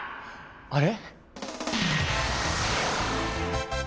あれ？